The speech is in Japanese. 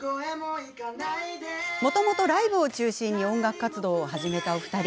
もともとライブを中心に音楽活動を始めたお二人。